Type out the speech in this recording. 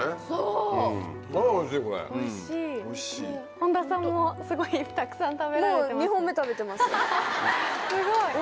本田さんもすごいたくさん食べられてます。